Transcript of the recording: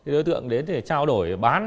đối tượng đến để trao đổi bán